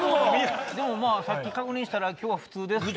さっき確認したら今日は普通ですって。